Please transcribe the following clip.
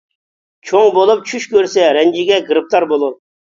چوڭ بولۇپ چۈش كۆرسە رەنجىگە گىرىپتار بولۇر.